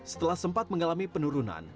setelah sempat mengalami penurunan